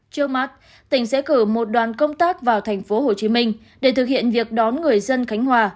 trước mắt tỉnh sẽ cử một đoàn công tác vào thành phố hồ chí minh để thực hiện việc đón người dân khánh hòa